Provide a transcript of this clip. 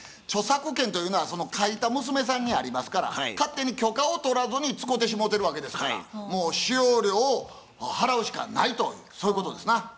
著作権というのはその描いた娘さんにありますから勝手に許可を取らずに使てしもうてるわけですからもう使用料を払うしかないとそういうことですな。